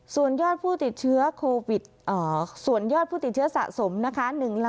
ส่วนยอดผู้ติดเชื้อโควิดส่วนยอดผู้ติดเชื้อสะสมนะคะ